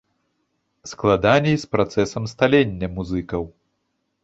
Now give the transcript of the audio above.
Складаней з працэсам сталення музыкаў.